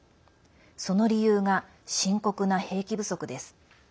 その理由が深刻な兵器不足です。